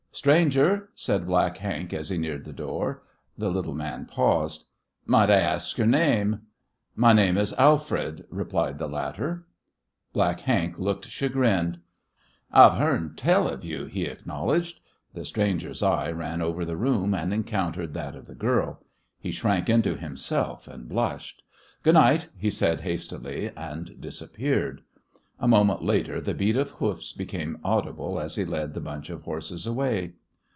"Stranger," said Black Hank as he neared the door. The little man paused. "Might I ask yore name?" "My name is Alfred," replied the latter. Black Hank looked chagrined. "I've hearn tell of you," he acknowledged. The stranger's eye ran over the room, and encountered that of the girl. He shrank into himself and blushed. "Good night," he said, hastily, and disappeared. A moment later the beat of hoofs became audible as he led the bunch of horses away.